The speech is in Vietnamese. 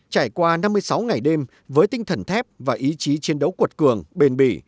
trải qua năm mươi sáu ngày đêm với tinh thần thép và ý chí chiến đấu cuột cường bền bỉ